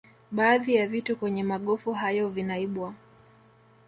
Baadhi ya vitu kwenye magofu hayo vinaibwa